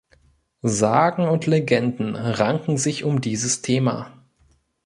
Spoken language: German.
Sagen und Legenden ranken sich um dieses Thema.